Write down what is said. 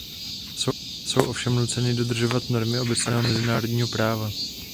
Jsou ovšem nuceny dodržovat normy obecného mezinárodního práva.